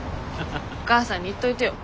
お母さんに言っといてよ